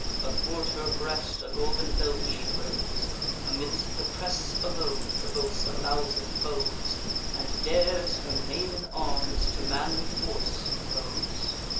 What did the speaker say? Athwart her breast a golden belt she throws, Amidst the press alone provokes a thousand foes, And dares her maiden arms to manly force oppose.